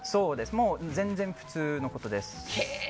全然、普通のことです。